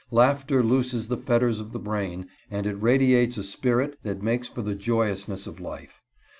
Laughter looses the fetters of the brain, and it radiates a spirit that makes for the joyousness of life.